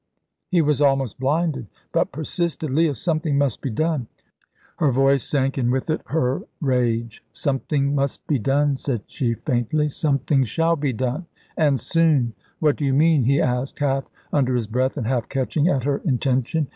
He was almost blinded, but persisted. "Leah, something must be done." Her voice sank, and with it her rage. "Something must be done," said she, faintly "something shall be done, and soon." "What do you mean?" he asked, half under his breath, and half catching at her intention.